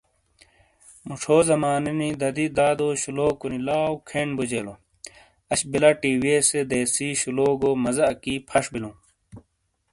موچھو زمانے نی دادی دادو شلوکو نی لاؤ کھین بوجیلو اش بلا ٹی۔ ویسے دیسی شلوگو مزا اکی فش بلوں۔